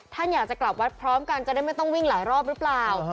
ท่านอยากจะกลับวัดพร้อมกันจะได้ไม่ต้องวิ่งหลายรอบหรือเปล่า